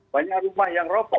banyak rumah yang rokok